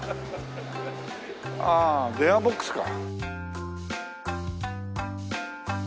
ああ電話ボックスか。